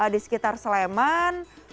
di sekitar sleman